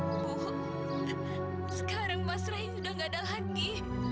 ibu sekarang mas rai sudah tidak ada lagi